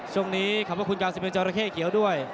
ช่วงนี้ขอบคุณครับ๑๑จอระเข้เกี่ยวด้วย